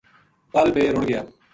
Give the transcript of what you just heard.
پل بے رُڑ گیا